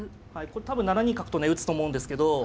これ多分７二角とね打つと思うんですけど。